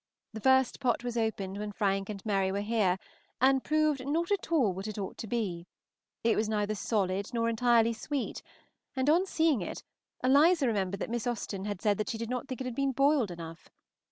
The first pot was opened when Frank and Mary were here, and proved not at all what it ought to be; it was neither solid nor entirely sweet, and on seeing it, Eliza remembered that Miss Austen had said she did not think it had been boiled enough.